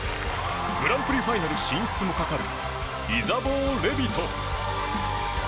グランプリファイナル進出もかかるイザボー・レビト。